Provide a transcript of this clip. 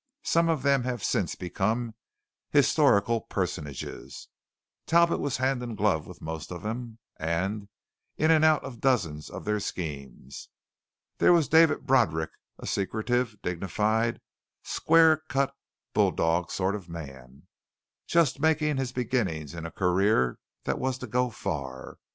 Some of them have since become historical personages. Talbot was hand in glove with most of them, and in and out of dozens of their schemes. There was David Broderick, a secretive, dignified, square cut, bulldog sort of a man, just making his beginning in a career that was to go far.